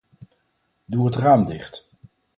Doe het raam dicht.